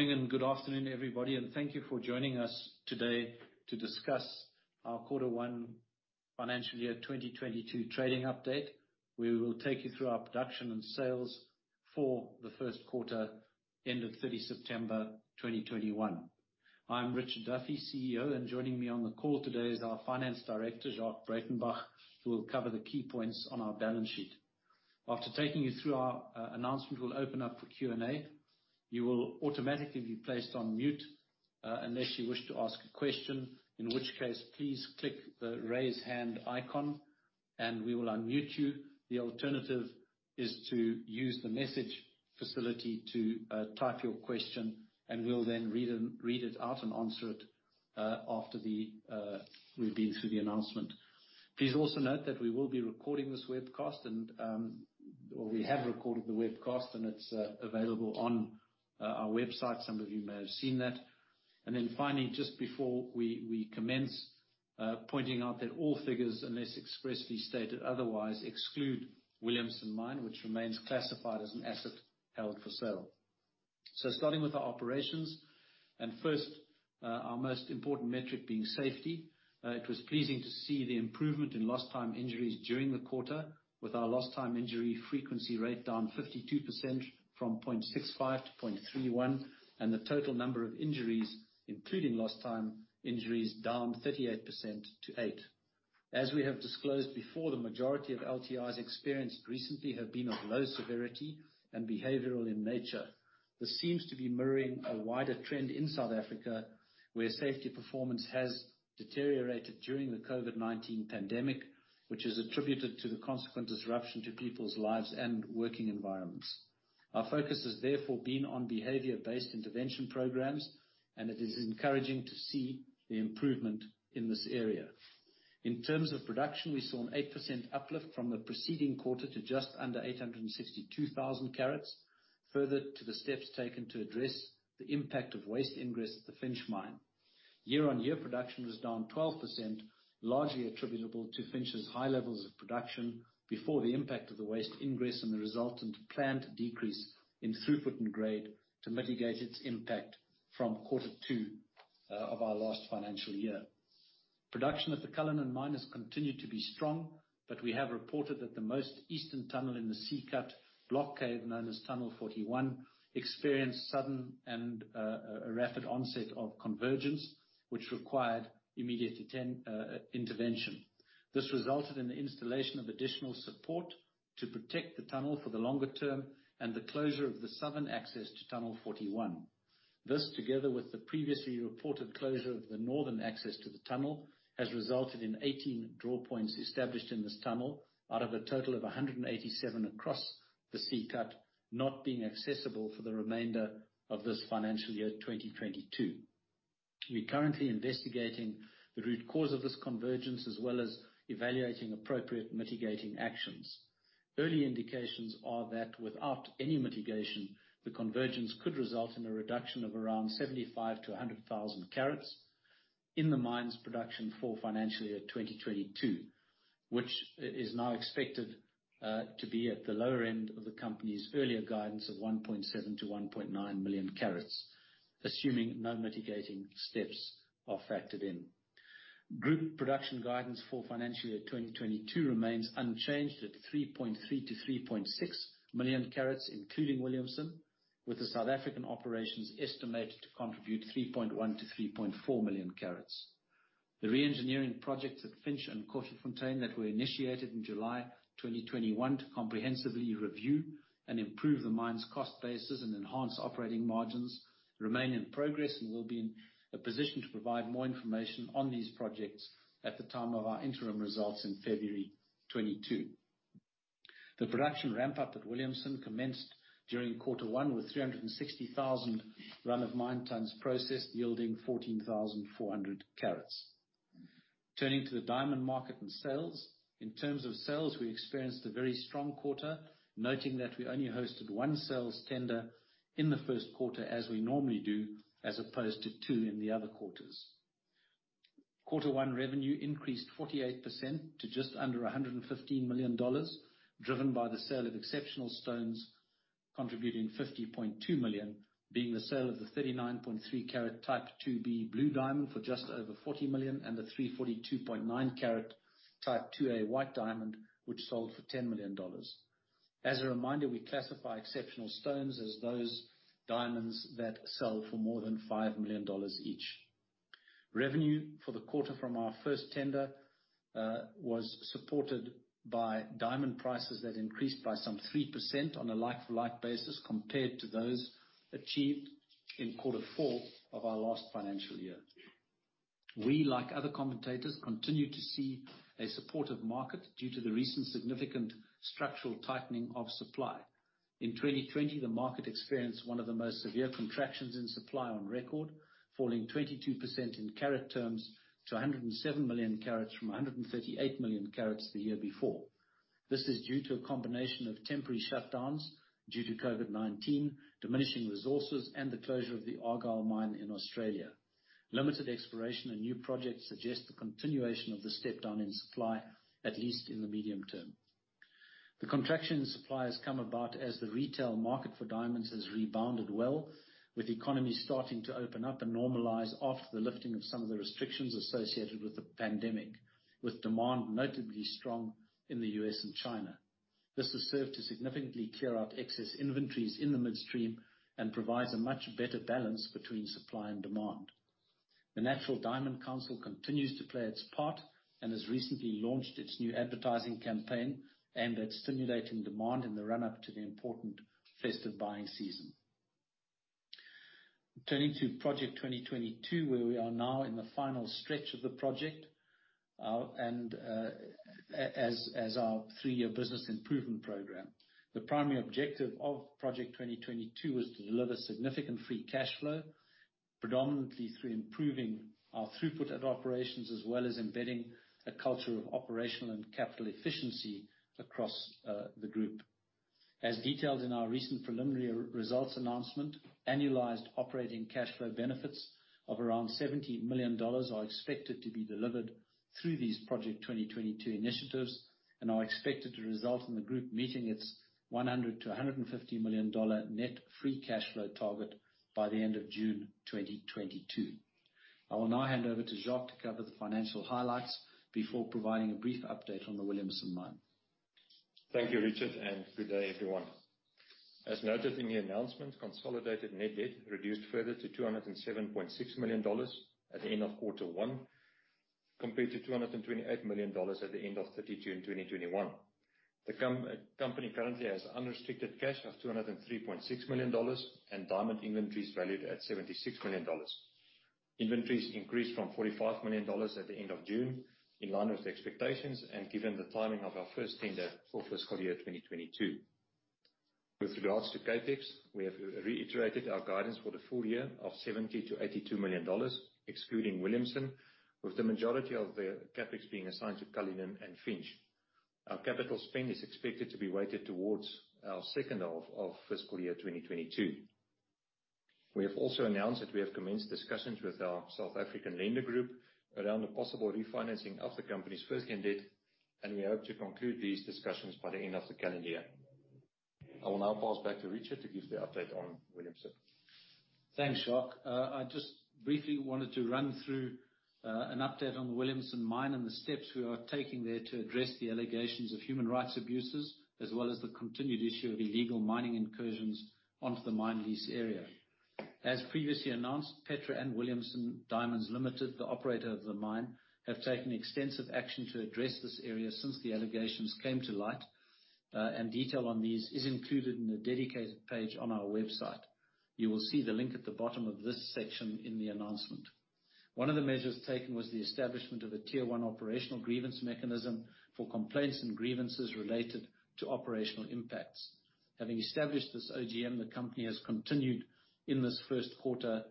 Morning and good afternoon, everybody, and thank you for joining us today to discuss our Q1 Financial Year 2022 Trading Update. We will take you through our production and sales for the Q1 end of 30 September 2021. I'm Richard Duffy, CEO, and joining me on the call today is our finance director, Jacques Breytenbach, who will cover the key points on our balance sheet. After taking you through our announcement, we'll open up for Q&A. You will automatically be placed on mute unless you wish to ask a question, in which case, please click the Raise Hand icon, and we will unmute you. The alternative is to use the message facility to type your question, and we'll then read it out and answer it after we've been through the announcement. Please also note that we will be recording this webcast and, or we have recorded the webcast and it's available on our website. Some of you may have seen that. Then finally, just before we commence, pointing out that all figures, unless expressly stated otherwise, exclude Williamson mine, which remains classified as an asset held for sale. Starting with our operations, and first, our most important metric being safety. It was pleasing to see the improvement in lost time injuries during the quarter with our lost time injury frequency rate down 52% from 0.65 to 0.31, and the total number of injuries, including lost time injuries, down 38% to 8. As we have disclosed before, the majority of LTIs experienced recently have been of low severity and behavioral in nature. This seems to be mirroring a wider trend in South Africa, where safety performance has deteriorated during the COVID-19 pandemic, which is attributed to the consequent disruption to people's lives and working environments. Our focus has therefore been on behavior-based intervention programs, and it is encouraging to see the improvement in this area. In terms of production, we saw an 8% uplift from the preceding quarter to just under 862,000 carats further to the steps taken to address the impact of waste ingress at the Finsch mine. Year-on-year production was down 12%, largely attributable to Finsch's high levels of production before the impact of the waste ingress and the resultant plant decrease in throughput and grade to mitigate its impact from Q2 of our last financial year. Production at the Cullinan mine has continued to be strong, but we have reported that the most eastern tunnel in the C-cut block cave, known as Tunnel 41, experienced sudden and a rapid onset of convergence, which required immediate intervention. This resulted in the installation of additional support to protect the tunnel for the longer term and the closure of the southern access to Tunnel 41. This, together with the previously reported closure of the northern access to the tunnel, has resulted in 18 drawpoints established in this tunnel out of a total of 187 across the C-cut not being accessible for the remainder of this financial year 2022. We're currently investigating the root cause of this convergence, as well as evaluating appropriate mitigating actions. Early indications are that without any mitigation, the convergence could result in a reduction of around 75,000-100,000 carats in the mine's production for financial year 2022, which is now expected to be at the lower end of the company's earlier guidance of 1.7 million-1.9 million carats, assuming no mitigating steps are factored in. Group production guidance for financial year 2022 remains unchanged at 3.3 million-3.6 million carats, including Williamson, with the South African operations estimated to contribute 3.1 million-3.4 million carats. The reengineering projects at Finsch and Koffiefontein that were initiated in July 2021 to comprehensively review and improve the mine's cost basis and enhance operating margins remain in progress and we'll be in a position to provide more information on these projects at the time of our interim results in February 2022. The production ramp up at Williamson commenced during Q1 with 360,000 run-of-mine tons processed, yielding 14,400 carats. Turning to the diamond market and sales. In terms of sales, we experienced a very strong quarter, noting that we only hosted one sales tender in the Q1 as we normally do, as opposed to two in the other quarters. Q1 revenue increased 48% to just under $115 million, driven by the sale of exceptional stones, contributing $50.2 million, being the sale of the 39.3-carat Type IIb blue diamond for just over $40 million, and the 342.9-carat Type IIa white diamond, which sold for $10 million. As a reminder, we classify exceptional stones as those diamonds that sell for more than $5 million each. Revenue for the quarter from our first tender was supported by diamond prices that increased by some 3% on a like-for-like basis compared to those achieved in Q4 of our last financial year. We, like other commentators, continue to see a supportive market due to the recent significant structural tightening of supply. In 2020, the market experienced one of the most severe contractions in supply on record, falling 22% in carat terms to 107 million carats from 138 million carats the year before. This is due to a combination of temporary shutdowns due to COVID-19, diminishing resources, and the closure of the Argyle mine in Australia. Limited exploration and new projects suggest the continuation of the step down in supply, at least in the medium term. The contraction in supply has come about as the retail market for diamonds has rebounded well, with economies starting to open up and normalize after the lifting of some of the restrictions associated with the pandemic, with demand notably strong in the U.S. and China. This has served to significantly clear out excess inventories in the midstream and provides a much better balance between supply and demand. The Natural Diamond Council continues to play its part and has recently launched its new advertising campaign aimed at stimulating demand in the run-up to the important festive buying season. Turning to Project 2022, where we are now in the final stretch of the project as our three-year business improvement program. The primary objective of Project 2022 was to deliver significant free cash flow, predominantly through improving our throughput of operations, as well as embedding a culture of operational and capital efficiency across the group. As detailed in our recent preliminary results announcement, annualized operating cashflow benefits of around $70 million are expected to be delivered through these Project 2022 initiatives, and are expected to result in the group meeting its $100 million-$150 million net free cash flow target by the end of June 2022. I will now hand over to Jacques to cover the financial highlights before providing a brief update on the Williamson mine. Thank you, Richard, and good day, everyone. As noted in the announcement, consolidated net debt reduced further to $207.6 million at the end of Q1, compared to $228 million at the end of 30 June 2021. The company currently has unrestricted cash of $203.6 million, and diamond inventories valued at $76 million. Inventories increased from $45 million at the end of June, in line with the expectations, and given the timing of our first tender for fiscal year 2022. With regards to CapEx, we have reiterated our guidance for the full year of $70 million-$82 million, excluding Williamson, with the majority of the CapEx being assigned to Cullinan and Finsch. Our capital spend is expected to be weighted towards our second half of fiscal year 2022. We have also announced that we have commenced discussions with our South African lender group around the possible refinancing of the company's first lien debt, and we hope to conclude these discussions by the end of the calendar year. I will now pass back to Richard to give the update on Williamson. Thanks, Jacques. I just briefly wanted to run through an update on the Williamson mine and the steps we are taking there to address the allegations of human rights abuses, as well as the continued issue of illegal mining incursions onto the mine lease area. As previously announced, Petra and Williamson Diamonds Limited, the operator of the mine, have taken extensive action to address this area since the allegations came to light, and detail on these is included in a dedicated page on our website. You will see the link at the bottom of this section in the announcement. One of the measures taken was the establishment of a Tier 1 operational grievance mechanism for complaints and grievances related to operational impacts. Having established this OGM, the company has continued in this Q1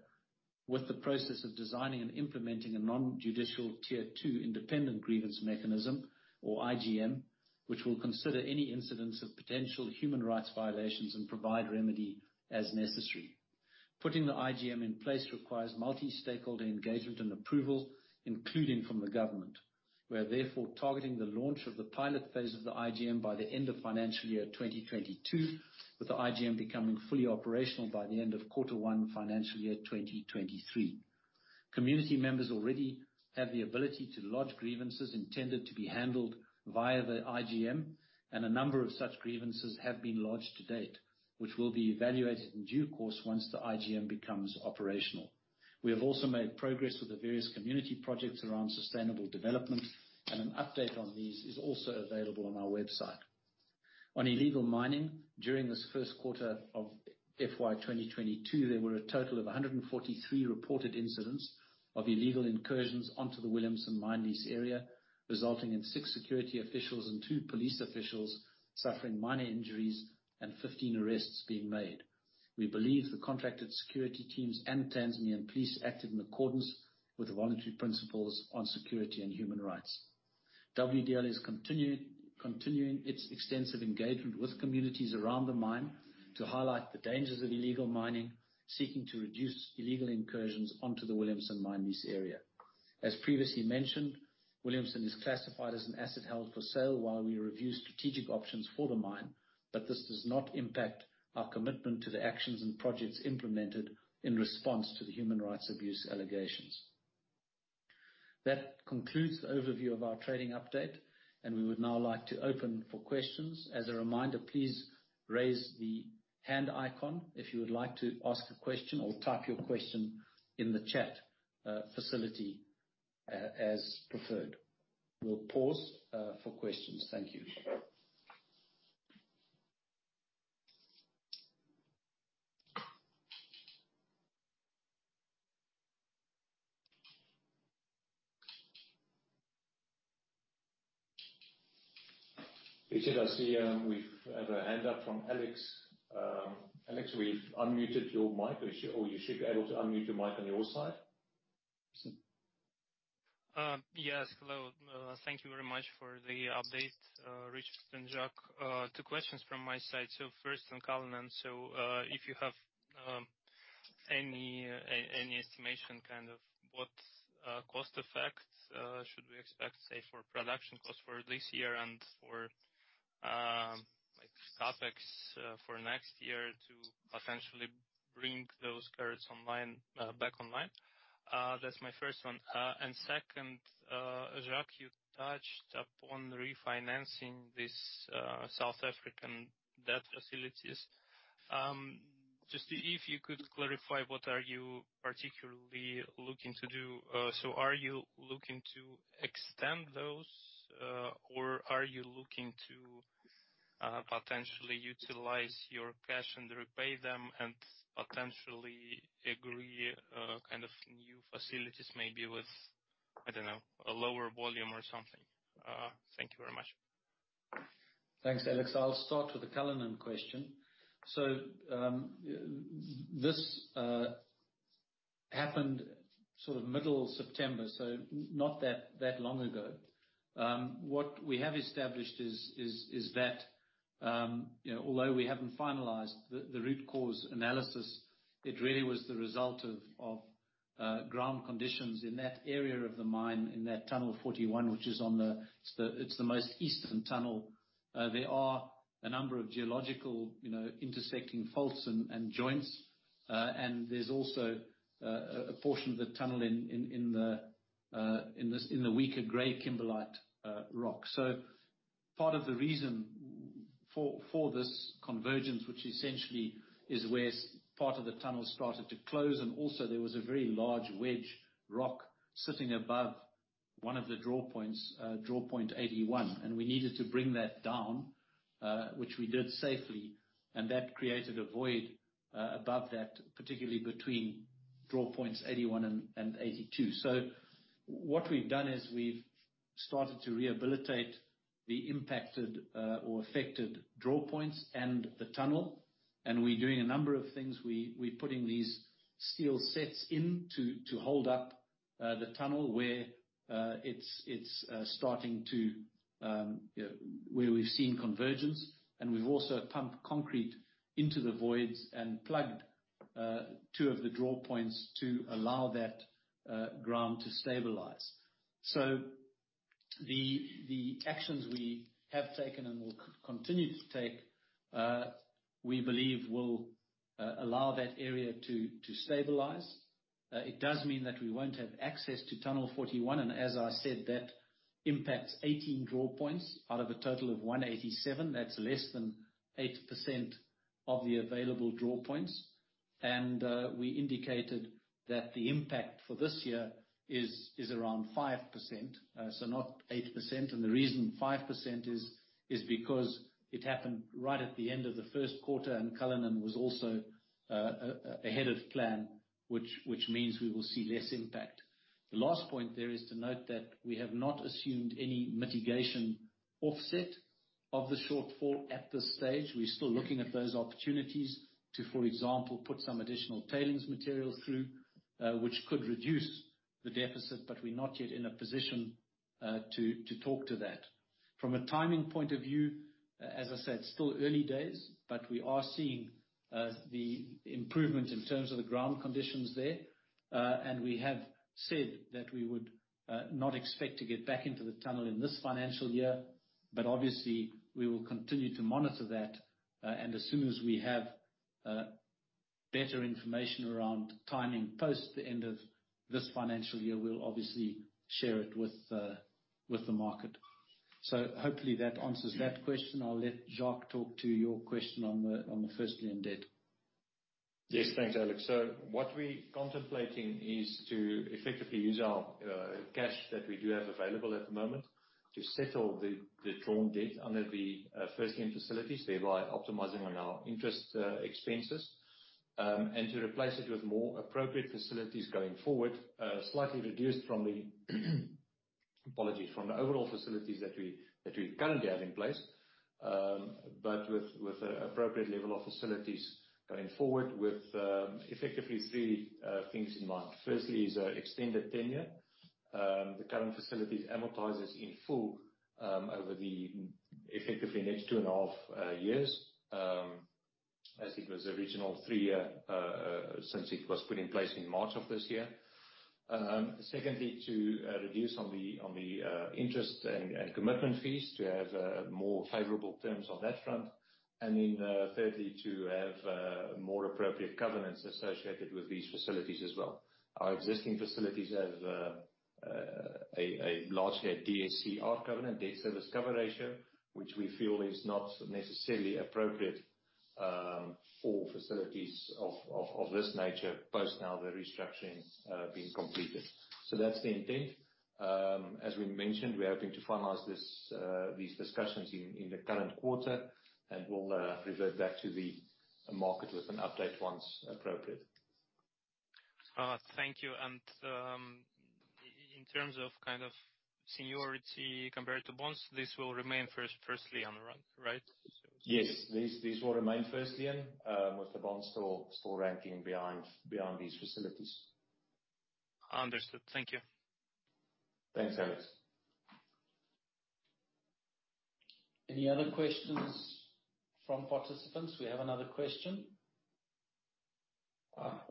with the process of designing and implementing a non-judicial Tier 2 independent grievance mechanism, or IGM, which will consider any incidents of potential human rights violations and provide remedy as necessary. Putting the IGM in place requires multi-stakeholder engagement and approval, including from the government. We are therefore targeting the launch of the pilot phase of the IGM by the end of financial year 2022, with the IGM becoming fully operational by the end of Q1 financial year 2023. Community members already have the ability to lodge grievances intended to be handled via the IGM, and a number of such grievances have been lodged to date, which will be evaluated in due course once the IGM becomes operational. We have also made progress with the various community projects around sustainable development, and an update on these is also available on our website. On illegal mining, during this Q1 of FY2022, there were a total of 143 reported incidents of illegal incursions onto the Williamson mine lease area, resulting in six security officials and two police officials suffering minor injuries and 15 arrests being made. We believe the contracted security teams and Tanzanian police acted in accordance with the Voluntary Principles on Security and Human Rights. WDL is continuing its extensive engagement with communities around the mine to highlight the dangers of illegal mining, seeking to reduce illegal incursions onto the Williamson mine lease area. As previously mentioned, Williamson is classified as an asset held for sale while we review strategic options for the mine, but this does not impact our commitment to the actions and projects implemented in response to the human rights abuse allegations. That concludes the overview of our trading update, and we would now like to open for questions. As a reminder, please raise the hand icon if you would like to ask a question or type your question in the chat facility as preferred. We'll pause for questions. Thank you. Richard, I see we have a hand up from Alex. Alex, we've unmuted your mic, or you should be able to unmute your mic on your side. Yes. Hello. Thank you very much for the update, Richard and Jacques. Two questions from my side. First on Cullinan. If you have any estimation kind of what cost effect should we expect, say, for production costs for this year and for, like, CapEx, for next year to potentially bring those carats online, back online? That's my first one. Second, Jacques, you touched upon refinancing these South African debt facilities. Just if you could clarify what are you particularly looking to do. Are you looking to extend those, or are you looking to potentially utilize your cash and repay them and potentially agree kind of new facilities maybe with, I don't know, a lower volume or something? Thank you very much. Thanks, Alex. I'll start with the Cullinan question. This happened sort of middle September, not that long ago. What we have established is that you know, although we haven't finalized the root cause analysis, it really was the result of ground conditions in that area of the mine, in that tunnel 41, which is on the, it's the most eastern tunnel. There are a number of geological you know, intersecting faults and joints. There's also a portion of the tunnel in the weaker gray kimberlite rock. Part of the reason for this convergence, which essentially is where some part of the tunnel started to close, and also there was a very large wedge rock sitting above one of the draw points, draw point 81, and we needed to bring that down, which we did safely. That created a void above that, particularly between draw points 81 and 82. What we've done is we've started to rehabilitate the impacted or affected draw points and the tunnel, and we're doing a number of things. We're putting these steel sets in to hold up the tunnel where it's starting to, you know, where we've seen convergence. We've also pumped concrete into the voids and plugged two of the draw points to allow that ground to stabilize. The actions we have taken and will continue to take, we believe will allow that area to stabilize. It does mean that we won't have access to tunnel 41, and as I said, that impacts 18 drawpoints out of a total of 187. That's less than 8% of the available drawpoints. We indicated that the impact for this year is around 5%, so not 8%. The reason 5% is because it happened right at the end of the Q1, and Cullinan was also ahead of plan, which means we will see less impact. The last point there is to note that we have not assumed any mitigation offset of the shortfall at this stage. We're still looking at those opportunities to, for example, put some additional tailings materials through, which could reduce the deficit, but we're not yet in a position to talk to that. From a timing point of view, as I said, still early days, but we are seeing the improvement in terms of the ground conditions there. We have said that we would not expect to get back into the tunnel in this financial year, but obviously we will continue to monitor that. As soon as we have better information around timing post the end of this financial year, we'll obviously share it with the market. Hopefully that answers that question. I'll let Jacques talk to your question on the first lien debt. Yes. Thanks, Alex. What we're contemplating is to effectively use our cash that we do have available at the moment to settle the drawn debt under the first lien facilities, thereby optimizing on our interest expenses, and to replace it with more appropriate facilities going forward, slightly reduced from the overall facilities that we currently have in place, but with an appropriate level of facilities going forward with effectively three things in mind. Firstly is extended tenure. The current facilities amortizes in full over the effectively next 2.5 years, since it was put in place in March of this year. Secondly, to reduce the interest and commitment fees to have more favorable terms on that front. Thirdly, to have more appropriate governance associated with these facilities as well. Our existing facilities have a largely DSCR covenant, debt service cover ratio, which we feel is not necessarily appropriate for facilities of this nature following the restructuring being completed. That's the intent. As we mentioned, we're hoping to finalize these discussions in the current quarter, and we'll revert back to the market with an update once appropriate. Thank you. In terms of kind of seniority compared to bonds, this will remain first lien debt, right? Yes. These will remain first lien, with the bonds still ranking behind these facilities. Understood. Thank you. Thanks, Alex. Any other questions from participants? We have another question.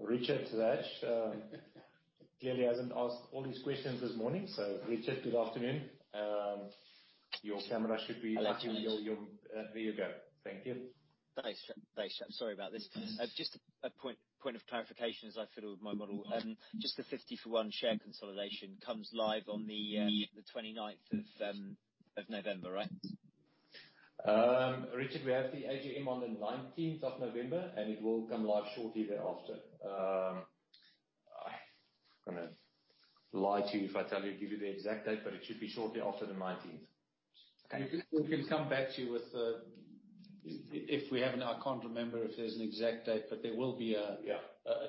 Richard, clearly hasn't asked all his questions this morning. Richard, good afternoon. Your camera should be on there you go. Thank you. Thanks. Sorry about this. Just a point of clarification as I follow my model. Just the one for 50 share consolidation comes live on the 29th of November, right? Richard, we have the AGM on the 19 November, and it will come live shortly thereafter. I'm not gonna lie to you. I can't give you the exact date, but it should be shortly after the 19th. Okay. We can come back to you if we have. I can't remember if there's an exact date, but there will be a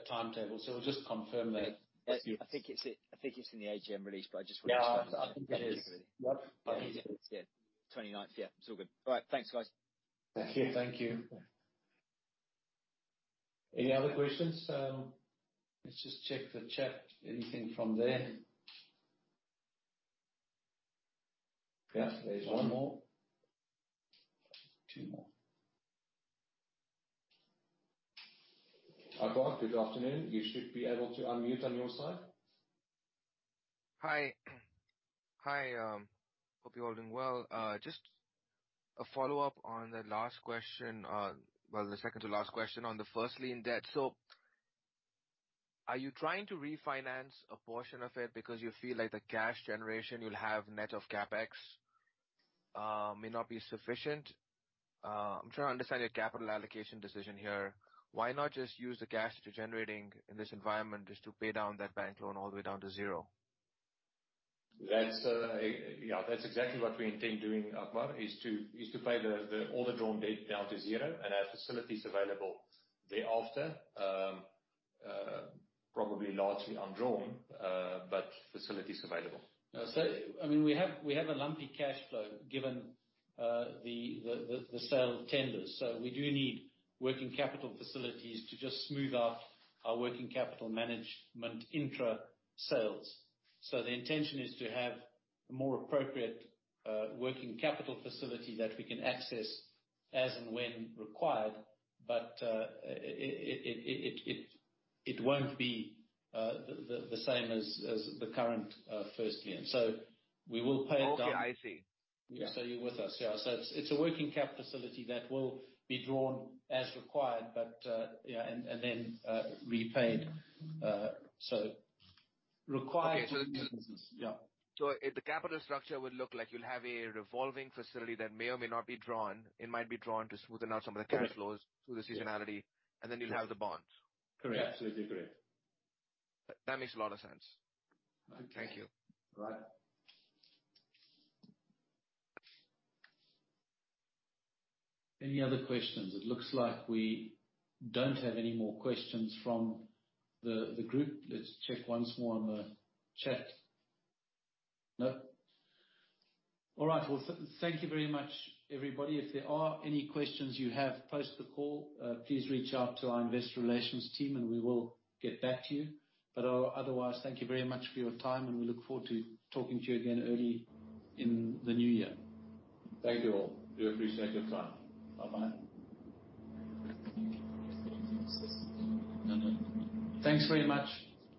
timetable. We'll just confirm that with you. I think it's in the AGM release, but I just wanna Yeah. I think that is. Yep. Yeah. 29th. Yeah. It's all good. All right. Thanks, guys. Thank you. Any other questions? Let's just check the chat. Anything from there? Yeah, there's one more. Two more. Akbar, good afternoon. You should be able to unmute on your side. Hi. Hi, hope you're all doing well. Just a follow-up on the last question, well, the second to last question on the first lien debt. Are you trying to refinance a portion of it because you feel like the cash generation you'll have net of CapEx may not be sufficient? I'm trying to understand your capital allocation decision here. Why not just use the cash you're generating in this environment just to pay down that bank loan all the way down to zero? That's yeah, that's exactly what we intend doing, Akbar, is to pay all the drawn debt down to zero and have facilities available thereafter. Probably largely undrawn, but facilities available. I mean, we have a lumpy cash flow given the sale tenders. We do need working capital facilities to just smooth out our working capital management intra-sales. The intention is to have a more appropriate working capital facility that we can access as and when required. It won't be the same as the current first lien. We will pay it down. Okay, I see. You're with us. Yeah. It's a working cap facility that will be drawn as required, but yeah, and then repaid. Required The capital structure would look like you'll have a revolving facility that may or may not be drawn. It might be drawn to smoothen out some of the cash flows. Correct. to the seasonality, and then you'll have the bonds. Correct. Absolutely correct. That makes a lot of sense. Thank you. All right. Any other questions? It looks like we don't have any more questions from the group. Let's check once more on the chat. No. All right. Well, thank you very much, everybody. If there are any questions you have post the call, please reach out to our investor relations team, and we will get back to you. Otherwise, thank you very much for your time, and we look forward to talking to you again early in the new year. Thank you all. We appreciate your time. Bye-bye. Thanks very much.